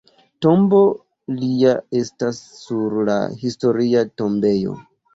Tombo lia estas sur la Historia tombejo.